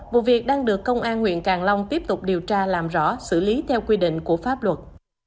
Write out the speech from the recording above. vụ việc đang được công an huyện càng long tiếp tục điều tra làm rõ xử lý theo quy định của pháp luật